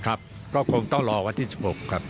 ครับก็คงต้องรอวันที่๑๖ครับ